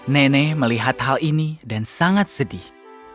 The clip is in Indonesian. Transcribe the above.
nenek melihat hal ini dan sangat sedih